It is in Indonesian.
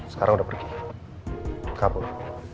sekarang udah pergi kabur